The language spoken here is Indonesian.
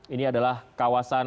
ini adalah kawasan